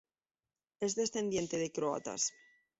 Es descendiente de croatas.